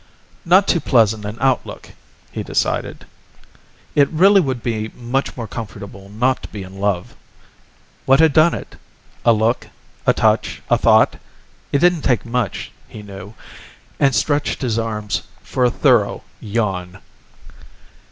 Not too pleasant an outlook, he decided. It really would be much more comfortable not to be in love. What had done it? A look, a touch, a thought? It didn't take much, he knew, and stretched his arms for a thorough yawn.